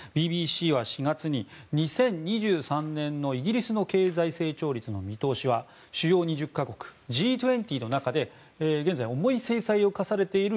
ＢＢＣは４月に２０２３年のイギリスの経済成長率の見通しは主要２０か国Ｇ２０の中で現在、重い制裁を科されている